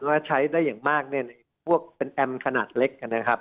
ว่าใช้ได้อย่างมากพวกเป็นแอมป์ขนาดเล็ก